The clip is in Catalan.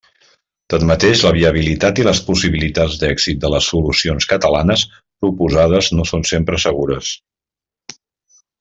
Tanmateix la viabilitat i les possibilitats d'èxit de les solucions catalanes proposades no són sempre segures.